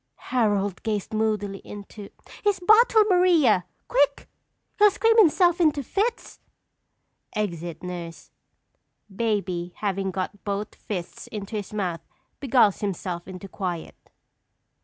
"Harold gazed moodily into " His bottle, Maria! Quick! He'll scream himself into fits! [_Exit nurse. Baby having got both fists into his mouth beguiles himself into quiet.